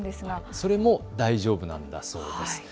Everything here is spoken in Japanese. それも大丈夫なんだそうです。